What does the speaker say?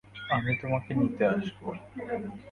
আমি তোমাকে নিতে আসবো!